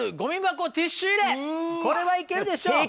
これは行けるでしょう。